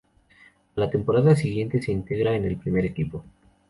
A la temporada siguiente se integra en el primer equipo.